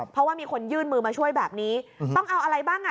เพราะว่ามีคนยื่นมือมาช่วยแบบนี้ต้องเอาอะไรบ้างอ่ะ